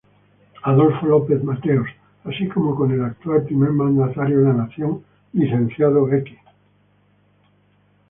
Adolfo López Mateos, así como con el actual primer mandatario de la Nación, Lic.